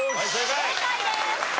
正解です。